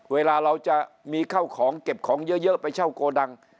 เวลาเราจะมีข้าวของเก็บของเยอะไปเช่าโกดัง